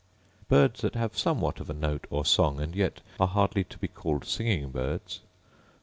Birds that have somewhat of a note or song, and yet are hardly to be called singing birds: 23.